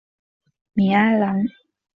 米埃朗。